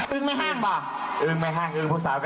อึงอ่างอึงอ่าง